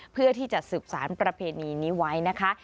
เพื่อที่จะสืบสารประเพณีนี้ไว้นะคะ